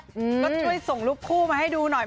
ก็ช่วยส่งรูปคู่มาให้ดูหน่อย